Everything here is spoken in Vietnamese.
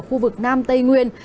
ở khu vực nam tây nguyên